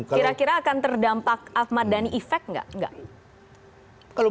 kira kira akan terdampak ahmad dhani efek nggak